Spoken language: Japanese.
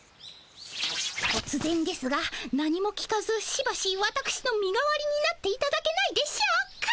とつぜんですが何も聞かずしばしわたくしの身代わりになっていただけないでしょうか？